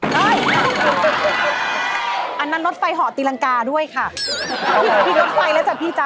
เอ๊ยอันนั้นรถไฟเหาะตีลังกาด้วยค่ะพี่ลดไฟแล้วจ้ะพี่จ๊ะ